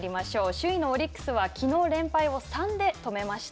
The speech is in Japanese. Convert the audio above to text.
首位のオリックスはきのう連敗を３で止めました。